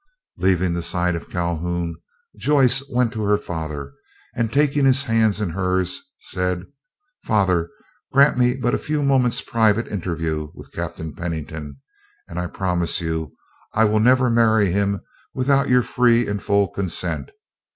Leaving the side of Calhoun, Joyce went to her father, and taking his hands in hers said, "Father, grant me but a few moments' private interview with Captain Pennington, and I promise I will never marry him without your free and full consent.